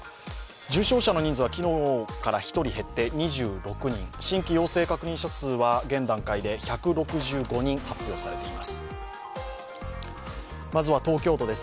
重症者の人数は昨日から１人減って２６人、新規陽性確認者数は現段階で１６５人、発表されています